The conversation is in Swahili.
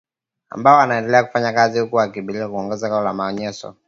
ambao wanaendelea kufanya kazi huku wakikabiliwa na ongezeko la manyanyaso